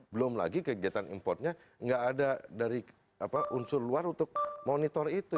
belum lagi kegiatan importnya nggak ada dari unsur luar untuk monitor itu